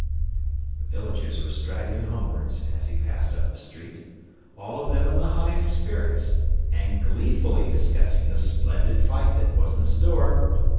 The villagers were straggling homewards as he passed up the street, all of them in the highest spirits, and gleefully discussing the splendid fight that was in store.